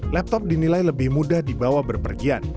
laptop dinilai lebih mudah dibawa berpergian